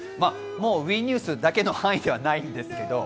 ＷＥニュースだけの範囲ではないんですけど。